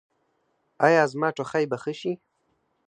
ایا زما ټوخی به ښه شي؟